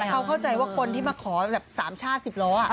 เขาเข้าใจว่าคนที่มาขอแบบ๓ชาติ๑๐ล้อ